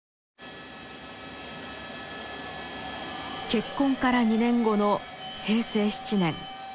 結婚から２年後の平成７年。